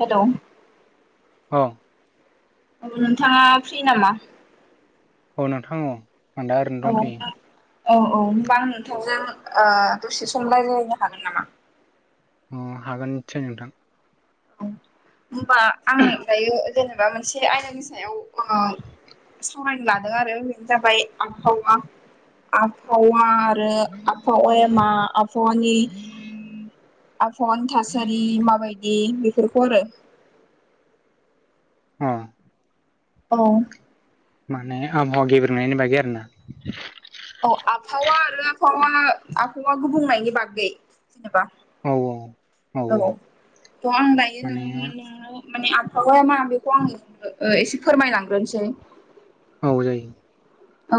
Hello अ औ नोंथाङा फ्रि नामा? औ नोंथां औ आं दा ओरैनो औ दंथ'यो। औ औ हबां नोंथांजों ओ दसे सम रायलायनो हागोन नामा? अ हागोनथि नोंथां। औ होमबा आं दायो जेनेबा मोनसे आयदानि सायाव ओ सावरायनो लादों आरो बेनो जाबाय आफावा आफावा आरो आफावाया मा आफावानि आफावानि थासारि माबायदि बेफोरखौ आरो अ औ माने आबहावा गेब्रेनायनि बागै आरो ना औ आफावा आरो आफावा आफावा गुबुंनायनि बागै जेनेबा औ औ औ थ' आं दायो माने नोंनि नोंनो माने ओ मा बेखौ आं ए एसे फोरमायलांग्रोनोसै औ जायो औ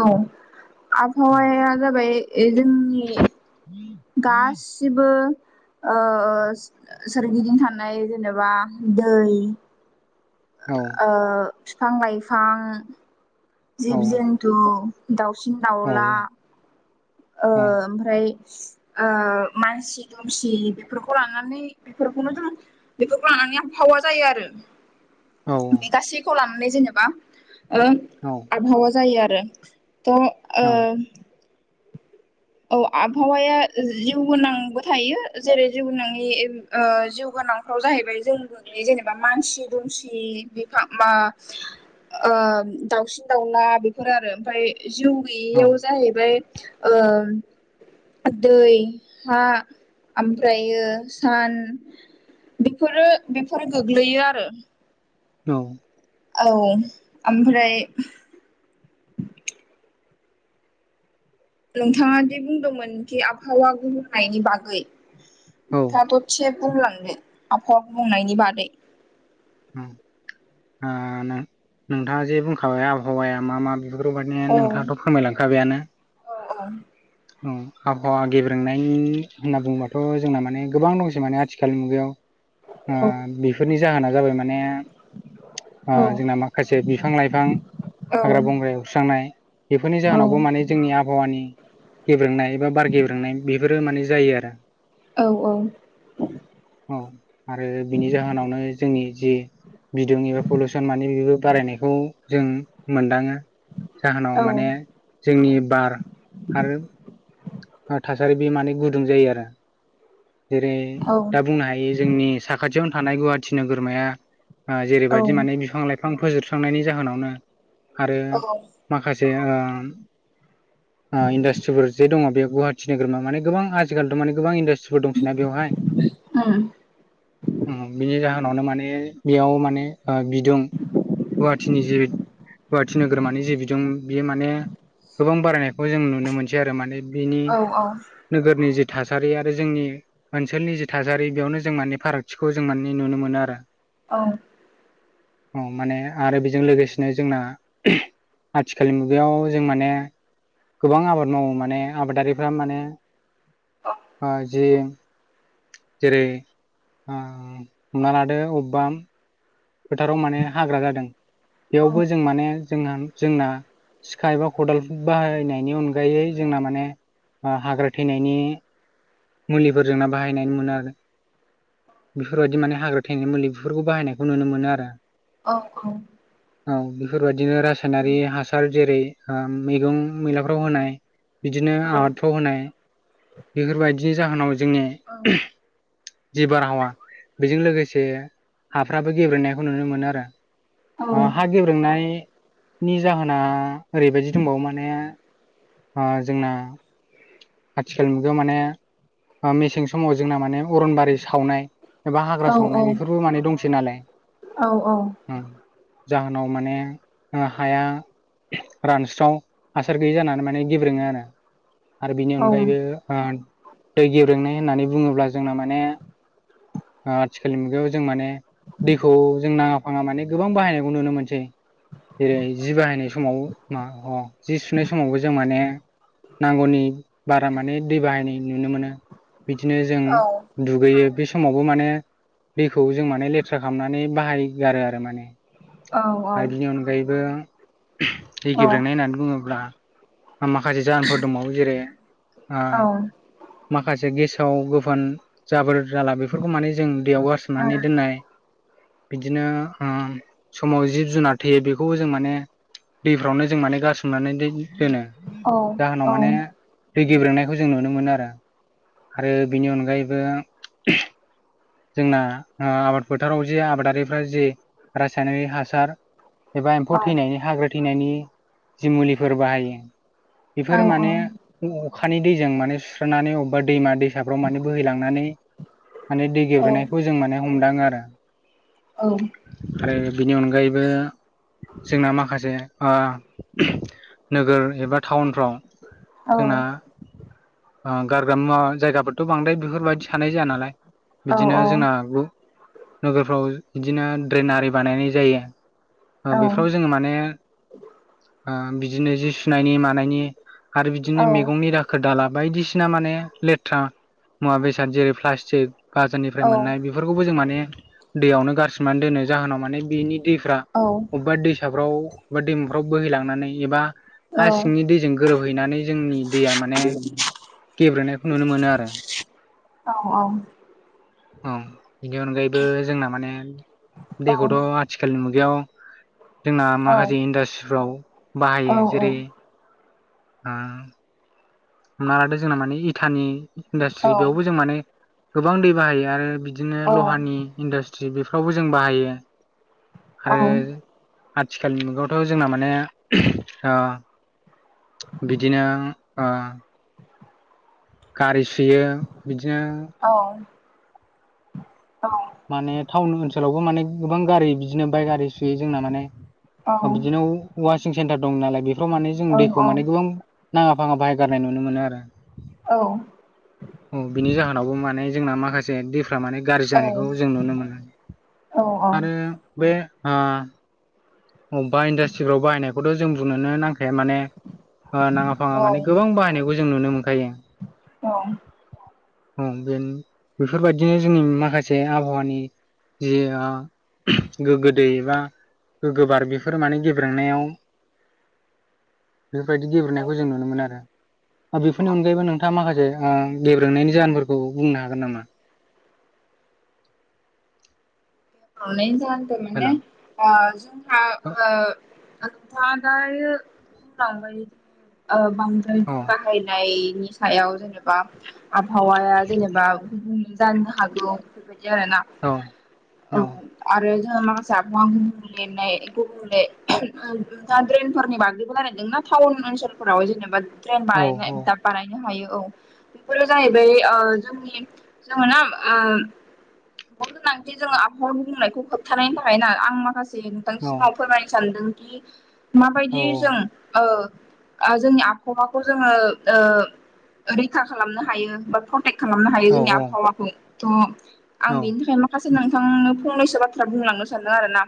औ आफावाया जाबाय एजोंनि गासिबो ओ सोरगिदिं थानाय जेनेबा दै औ ओ फिफां-लाइफां, जिब-जुन्थु औ दाउसिन-दाउला ओ ओमफ्राय ओ मानसि दुमसि बेफोरखौ लानानै बेफोरखौनो जों बेफोरखौ लानानै आफावा जायो आरो औ बे गासैखौ लानानै जेनेबा ओ औ आबहावा जायो आरो त' ओ औ औ आफावाया जिउ गोनांबो थायो जेरै जिवनङि ए ओ गोनांफ्राव जाहैबाय जों जेनेबा मानसि दुमसि बिफां मा ओ ओ दाउसिन-दाउला बेफोर आरो ओमफाय जिउ गैयैयाव जाहैबाय ओ दै, हा ओमफ्रायो सान, बेफोरो बेफोर गोग्लैयो आरो औ औ ओमफ्राय नोंथाङा दि बुंदोंमोन कि आफावा गुबुंनायनि बागै दाथ' थे बुंलांदो आफावा गुबुंनायनि बादै ओम ओ नों नोंथाङा जे बुंखाबाय आबहावाया मा मा बेफोरबायादि नोंथाङाथ' फोरमायलांखाबायानो अ अ अ औ आबहावा गेब्रेंनाय होनना बुङोबाथ' जोंना माने गोबां दंसै माने आथिखालनि मुगायाव औ ओ बेफोरनि जाहोना जाबाय माने ओ जोंना माखासे बिफां लाइफां हाग्रा बंग्रायाव एवस्रांनाय बेफोरनि औ जाहोनावबो माने जोंनि आबहावानि गेब्रेंनाय एबा बार गेब्रेंनाय बेफोरो माने जायो आरो औ औ औ आरो बिनि जाहोनावनो जोंनि जि बिदुं एबा पलिउसन मानि बेबो बारायनायखौ जों मोनदाङो जाहोनाव औ उम माने जोंनि बार आरो आ थासारि बे माने गुदुं जायो आरो जेरै दा बुंनो हायो जोंनि साखाथियावनो थानाय गुवाहाटि नोगोरमाया आ जेरैबायदि माने बिफां लाइफां फोजोबस्रांनायनि जाहोनावनो आरो औ माखासे ओ ओ इन्डास्ट्रिफोर जे दङ बे गुवाहाटि नोगोराव माने गोबां आजिखालिथ' माने गोबां इणडा फोर दंसैना बेवहाय ओ बिनि जाहोनावनो माने बेयाव माने ओ बिदुं गुवाहाटिनि जि गुवाहाटि नोगोरमानि जिे बिदुं बियो माने गोबां बारायनायखौ जों नुनो मोनसै आरो माने बिनि औ नोगोरनि जे थासारि आरो जोंनि ओनसोलनि जि थासारि बेयावनो जों माने फारागथिखौ जों माने नुनो मोनो आरो औ औ माने आरो बेजों लोगोसेनो जोंना आथिखालनि मुगायाव जों माने गोबां आबाद मावो माने आबादारिफ्रा माने आ जि जेरै ओ हमना लादो अबावबा फोथाराव माने हाग्रा जादों औ बेयावबो जों माने जोंहा जोंना सिखा एबा खदाल बाहायनायनि अनगायै जोंना माने हाग्रा थैनायनि मुलिफोरजोंनो बाहायनानै मोनो आरो बेफोरबायदि माने हाग्रा थैनाय मुलि बेफोरखौ बाहायनायखौ नुनो मोनो आरो औ औ औ बेफोरबायदिनो रासायनारि हासार जेरै ओ मैगं मैलाफोरावव होनाय बिदिनो [unintelligible] होनाय बेफोरबायदिनि जाहोनाव जोंनि जि बारहावा बेजों लोगोसे हाफ्राबो गेब्रेनायखौ नुनो मोनो आरो आ हा गेब्रोंनायनि जाहोना ओरैबायदि दंबावो माने आ जोंना आथिखालनि मुगायाव माने आ मेसें समाव जोंना माने अरनबारि सावनाय एबा हाग्रा सावनाय बेफोरबो माने दंसै नालाय ओ जाहोनाव माने ओ हाया रानस्राव हासार गैयि जानानै माने गेब्रेङो आरो आरो बिनि अनगायैबो ओ दै गेब्रेंनाय होननानै बुङोब्ला जोंना माने ओ आथिखालनि मुगायाव जों माने दैखौ जों नाङा फाङा माने गोबां बाहायनायखौ नुनो मोनसै जेरै जि बाहायनाय समाव मा अ जि सुनाय समावबो जों माने नांगौनि बारा माने दै बाहायनाय नुनो मोनो बिदिनो जों दुगैयो बे समावबो माने दैखौ जों माने लेथ्रा खालामनानै बाहाय गारो आरो माने आरो बिनि अनगायैबो दै गेब्रेंनाय होननानै बुङोब्ला माखासे जाहोनफोर दंबावो जेरै आ औ माखासे गेसाव गोफान जाबोर जाला बेफोरखौ माने जों दैयाव गारसोमनानै दोननाय बिदिनो ओ समाव जिब जुनार थैयो बेखौबो जों माने दैफोराववनो जों माने गारसोमनानै दो- दोनो औ जाहोनाव औ माने दै गेब्रेनायखौ जों नुनो मोनो आरो आरो बेनि अनगायैबो जोंना आह आबाद फोथाराव जे आबादारिफ्रा जि रासायनारिक हासार एबा एम्फौ औ थैनायनि हाग्रा थैनायनि जि मुलिफोर बाहायो बेफोर माने बे अखानि दैजों माने सुस्रानानै अबेबा दैमा दै साफ्रा माने बोहैलांनानै माने दै औ गेब्रेंनायखौ जों माने हमदाङो आरो औ आरो बिनि अनगायैबो जोंना माखासे आह नोगोर एबा टाउनफ्राव औ जोंना औ आ गारग्रा मुवा जायगाफोरथ' बांद्राय बेफोरबायदि थानाय जाया नालाय औ बिदिनो जोंना नोगोरफ्राव इदिनो ड्रेन आरि बानायनाय जायो। बेफ्राव जोङो माने ओह बिदिनो जि सुनायनि मानायनि आरो बिदिनो मैगंनि दाखोर दाला बायदिसिना माने लेथ्रा मुवा बेसाद जेरै प्लास्टिक गाजाननिफ्राय मोननाय बेफोरखौबो जों माने दैयावनो गारसननानै दोनो जाहोनाव माने बेनि दैफ्रा अबेबा दैसाफ्राव अबा दैमाफ्राव बोहैलांनानै एबा हा सिंनि दैजों गोरोबहैनानै जोंनि दैया माने गेब्रेंनायखौ नुनो मोनो आरो औ औ औ बेनि अनगायैबो जोंना माने दैखौथ' आथिखालनि मु बेयाव जोंना माखासे इन्डास्ट्रिफ्राव बाहायो जेरै आह हमना लादो जोंना माने इथानि इन्डास्ट्रि बेयावबो जों माने गोबां दै बाहायो आरो बि बिदिनो लहानि इन्डास्ट्रि बेफ्रावबो जों बाहायो आरो आथिखालनि मुगायावथ' जोंना माने ओ बिदिनो आ गारि सुयो बिदिनो औ माने टाउन ओनसोलावबो माने गोबां गारि बिदिनो बाय गारि सुयो जोंना माने बिदिनो वासिं सेन्टार दं नालाय बेफोराव माने जों दैखौ माने गोबां नाङा फाङा बाहायगारनाय नुनो मोनो आरो औ बिनि जाहोनावबो माने जोंना माखासे दैफ्रा माने गाज्रि औ जानाय बेखौ जों नुनो मोनो औ औ आरो बे आह अबेबा इन्डास्ट्रिफ्राव बायनायखौथ' जों बुंनोनो नां खाय माने फांङा नाङा फाङा माने गोबां बाहायनायखौ जों नुनो मोनो औ औ बेनि बेफोरबायदिनो जोंनि माखासे आबहावानि जे ओह गोग्गो दैै एबा गोग्गोबार बेफोर माने गेब्रेंनायाव बेफोरबायदि गेब्रेंनायखौ जों नुनो मोनो आरो आरो बेफोरनि अनगायैबो नोंथाङा माखासे आ गेब्रोंनायनि जाहोनफोरखौ बुंनो हागोन नामा? ब्रेंनायनि जाहोनखौ हेल' माने औ ओ जोंहा आ नोंथाङा दायो बांद्राय औ बांद्राय औ दै बाहायनाय नि सायाव जेनेबा आबहावाया जेनेबा गुबुंले जानो हागौ बेबायदि दि आरो ना औ औ रो जोंहा माखासे आबहावानि [unintelligible] द्रेनफोरनि बागैबो [unintelligible] ना टाउन ओनसोलफोराव जेनेबा ड्रेन औ बानाय दा बानायनो हायो औ बेफोरो जाहैबाय ओ जोंनि जोङो ना आ [unintelligible] बिदि जोंङो आबहावानि गुबुंनायखौ होबथानायनि थाखाय ना आं माखासे नोंथांनि सिगाङाव फोरमायनो सानदों औ माबायदि जों ओह आ जोंनि आबहावाखौ जोङो ओ रैखा खालामनो हायोबा प्रटेक्ट खालामनो हायो औ जोंनि आबहावाखौ। थ' आं औ बेनि थाखायनो नोंथांनो फंनैसो बाथ्रा बुंलांनो सानदों आरोना।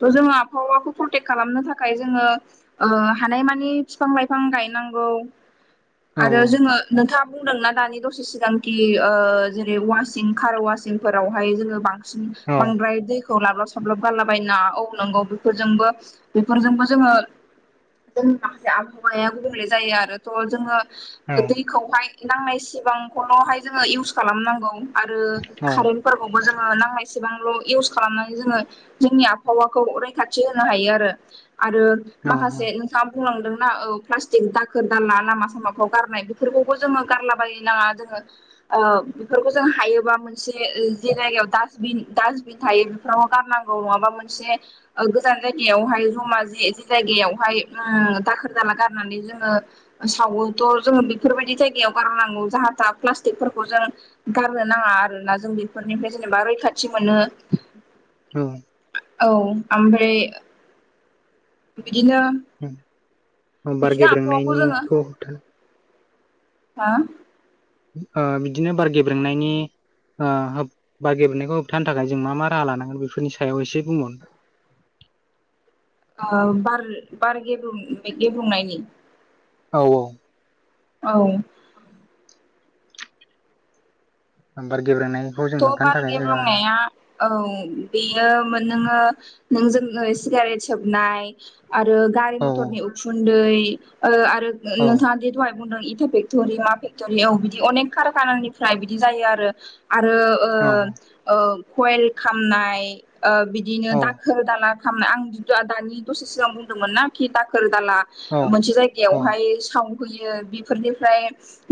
थ' जोङो आबहावाखौ प्रटेक्ट खालामनो थाखाय जों जोङो ओ हानायमानि बिफां लाइफां गायनांगौ। औ आरो जोङो नोंथाङा बुंदोंना दानि दसे सिगांखि ओ जेरै वासिं कार वाशंफोरावहाय जोङो बां सिन औ बांद्राय दै खौ लाब लाब साब लाब गारला बायनो नाङा। औ नोंगौ बेफोरजोंबो बेफोरजोंबो जोङो जोंनि माखासे आबहावाया गुबुंले जायो आरोथ' जोङो दैखौहाय नांनाय सिमांखौल'हाय जोङो इउस खालाम नांगौ। आरो कारेन्ट फोरफोरखौबो जोङो नांनायसेबांल' इउस खालामनानै जोङो जोंनि आबहावाखौ रैखाथि होनो हायो आरो। आरो औ माखासे ओंखाम बुंलांदोंना औ प्लास्टिक दाखोर दाला लामा सामाफ्राव गारनाय बेफोरखौबो जोङो गारलाबाय नाङा। जोङो ओ बेफोरखौ जों हायोबा मोनसे जिरायाव दासबिन दासबिन थायो बेफोराव गारनांगौ नङाबा मोनसे गोजान जायगायावहाय जमा जि जि जायगायावहाय उम दाखोर दाला गारनानै जोङो सावो थ' जोङो बेफोर बायदि ङि जायगायाव गारनांगौ। जाहा थाहा पालस्टिकजों गारनो नाङा आरोना जों बेफोरनिफ्राय जेनेबा रैखाथि मोनो। औ। औ आमफ्राय बिदिनो अ बार बिदिनो आबहावाखौ जोङो गेब्रेंनायनिखौ होबथानो हा? ओ बिदिनो बार गेब्रेंनायनि ओ होब बार गेब्रेंनायखौ होबथानो थाखाय जों मा मा राहा लानांगोन बेफोरनि सायाव एसे बुंबावनो ओ बार बार गेब्रु गेब्रुंनायनि औ औ। औ। औ। बार गेब्रेंनाय थ' बार गेब्रेंनाया औ बेयो मोनोङो नों जोङो सिगारेट सोबनाय आरो गारि ओ मथरनि उखुन्दै ओ आरो औ नोंथाङादि दहाय बुंदों इ फेक्ट'रि मा फेक्ट'रियाव बिदि अनेक कार खानानिफ्राय बिदि जायो आरो। आरो औ ओ ओ कयेल खामनाय ओ बिदिनो औ दाखोर दाला खामनाय आं [unintelligible] दानि दसे सिगां बुंदोंमोनना खि दाखोर दाला औ मोनसे औ जायगायावहाय सावहैयो बेफोरनिफ्राय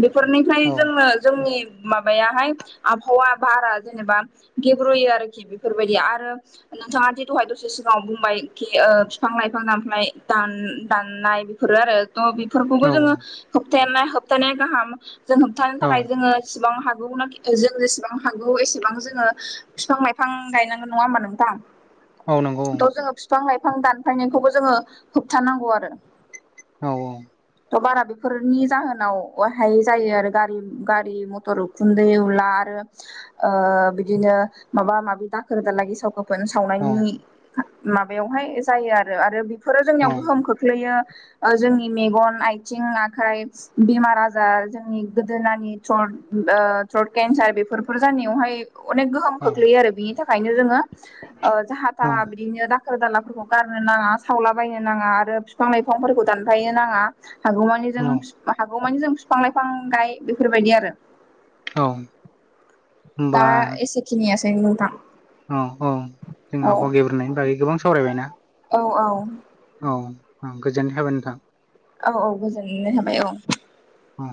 बेफोरनिफ्राय औ जोंनो जोंनि माबायाहाय आबहावा बारा जेनेबा गेब्रुयो आरोखि बेफोर बायदि आरो नोंथाङा दि दहाय दसे सिंगाव बुंबाय खि ओ बिफां लाइफां दानफायनाय दान-दाननाय बेफोरो आरो थ' बेफोरखौबो औ जोङो होबथानाय होबथानाया गाहाम जों होबथानो औ थाखाय जोङो गोबां हागौनाखि थ' जों जेसेबां हागौ एसेबां जोङो फिफां लाइफां गायनांगौ, नङा होमबा नोंथां? औ नंगौ थ' जोङो फिफां लाइफां दानफायनायखौबो जोङो होबथानांगौ आरो। औ औ। थ' बारा बेफोरनि जाहोनावहाय जायो आरो गारि गारि मथर उखुन्दै ब्ला आरो ओ बिदिनो माबा माबि दाखोर दाला गेसाव गोफोन औ सावनायनि माबायावहाय जायो आरो आरो बे फोरो जोंनियाव गोहोम खोख्लैयो। ओ जोंनि मेगन, आथिं, आखाइ बेमार आजार जोंनि गोदोनानि तर ओ थ्रट केन्सार बेफोरफोर जानायावहाय अनेक गोहोम औ खोख्लैयो आरो बिनि थाखायनो जोङो। ओ जाहा औ थाहा बिदिनो दाखोर दाला फोरखौ गारनो नाङा। सावलाबायनो नाङा। आरो बिफां लाइफांफोरखौ दानफायनो नाङा। हागौमानि जों हागौमानि जों बिफां लाइफां गाय बेफोरबायदि आरो। औ दा होमबा एसे खिनियासै। औ औ औ जोंहा आबहाव गेब्रेनायनि बागै गोबां सावरायबाय ना? औ औ औ गोजोननाय हाबाय नोंथां। औ औ गोजोननाय थाबाय औ। उम